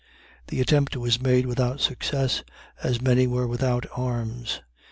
The attempt was made without success, as many were without arms.